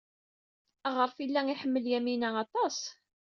Aɣref yella iḥemmel Yamina aṭas.